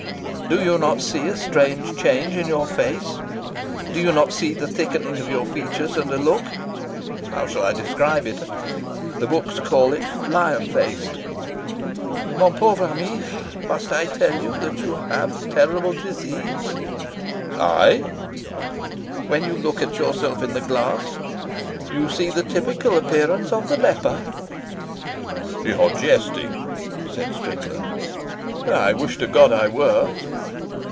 "Do you not see a strange change in your face? Do you not see the thickening of your features and a look how shall I describe it? the books call it lion faced. , must I tell you that you have a terrible disease?" "I?" "When you look at yourself in the glass you see the typical appearance of the leper." "You are jesting," said Strickland. "I wish to God I were."